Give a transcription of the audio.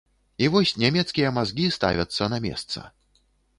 І вось нямецкія мазгі ставяцца на месца.